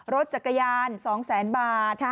รถจักรยาน๒๐๐๐๐๐บาท